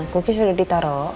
cookies udah ditaro